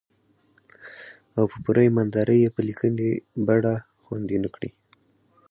او په پوره ايمان دارۍ يې په ليکني بنه خوندي نه کړي.